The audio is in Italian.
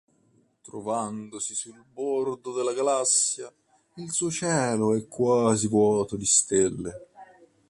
Trovandosi sul bordo della galassia, il suo cielo è quasi vuoto di stelle.